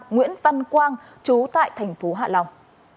nguyễn văn quang trú tại thành phố hạ long